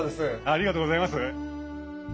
ありがとうございます。